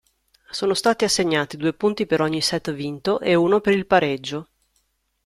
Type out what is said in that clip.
Sono stati assegnati due punti per ogni set vinto, ed uno per il pareggio.